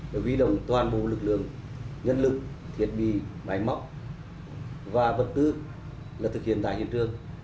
quý đồng toàn bộ lực lượng nhân lực thiệt bị máy móc và bật tư thực hiện tại hiện trường